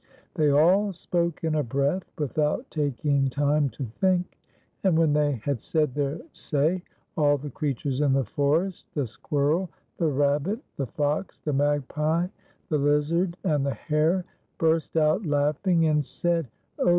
They all spoke in a breath, without taking time to think, and when they had said their sa\', all the creatures in the forest — the Squirrel, the Rabbit, the Fox, the Magpie, the Lizard, and the Hare, burst out laughing, and said, "Oh!